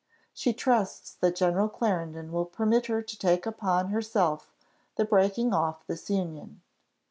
She trusts that General Clarendon will permit her to take upon herself the breaking off this union.